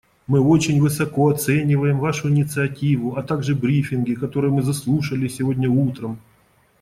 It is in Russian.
Мы очень высоко оцениваем Вашу инициативу, а также брифинги, которые мы заслушали сегодня утром.